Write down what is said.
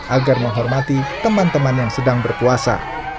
agar menghormati teman teman yang sedang berpuasa